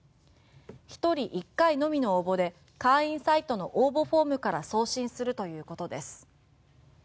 １人１回のみの応募で会員サイトの応募フォームから送信するということです。